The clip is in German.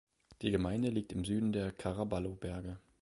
Die Gemeinde liegt im Süden der Caraballo-Berge.